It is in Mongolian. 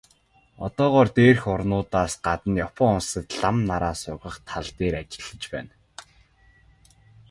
Одоогоор дээрх орнуудаас гадна Япон улсад лам нараа сургах тал дээр ажиллаж байна.